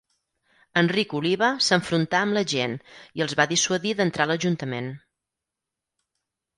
Enric Oliva s'enfrontà amb la gent i els va dissuadir d'entrar a l'ajuntament.